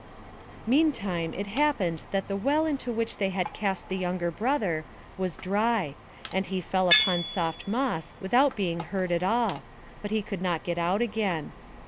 Meantime it happened that the well into which they had cast the younger brother was dry and he fell upon soft moss without being hurt at all, but he could not get out again.